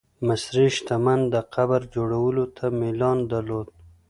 مصري شتمن د قبر جوړولو ته میلان درلود.